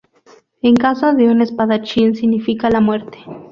En caso de un espadachín, significa la muerte.